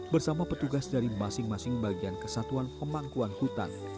bersama petugas dari masing masing bagian kesatuan pemangkuan hutan